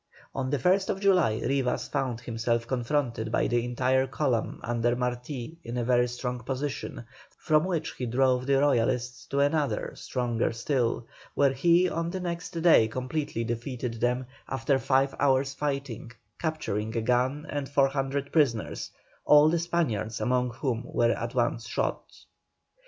On the 1st July Rivas found himself confronted by the entire column under Marti in a very strong position, from which he drove the Royalists to another stronger still, where he on the next day completely defeated them after five hours fighting, capturing a gun and 400 prisoners, all the Spaniards among whom were at once shot.